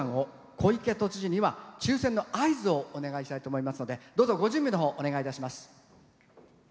小池都知事には抽せんの合図をお願いしたいと思いますのでどうぞご準備をお願いいたします。